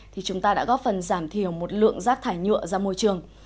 thì chúng ta đã góp phần giảm thiểu một lượng rác thải nhựa ra môi trường